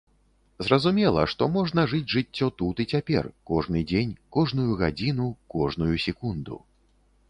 Зразумела, што можна жыць жыццё тут і цяпер, кожны дзень, кожную гадзіну, кожную секунду.